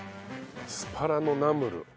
アスパラのナムル。